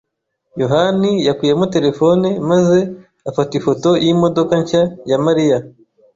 yohani yakuyemo terefone maze afata ifoto yimodoka nshya ya Mariya.